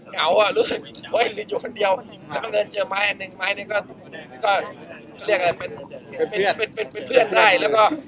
คือพออยู่ในทะเลก็